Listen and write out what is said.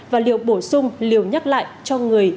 và liều bổ sung liều nhắc lại cho người